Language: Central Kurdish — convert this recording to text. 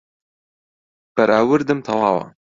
بەراوردم تەواوە